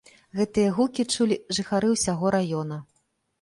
Гэтыя гукі чулі жыхары ўсяго раёна.